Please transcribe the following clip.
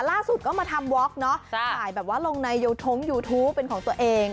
ล่าสุดก็มาทำว็อกเนาะถ่ายแบบว่าลงในยูทงยูทูปเป็นของตัวเอง